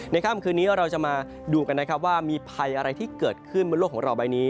ค่ำคืนนี้เราจะมาดูกันนะครับว่ามีภัยอะไรที่เกิดขึ้นบนโลกของเราใบนี้